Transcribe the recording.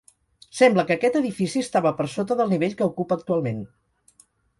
Sembla que aquest edifici estava per sota del nivell que ocupa actualment.